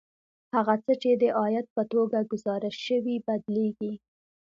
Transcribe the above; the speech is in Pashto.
هغه څه چې د عاید په توګه ګزارش شوي بدلېږي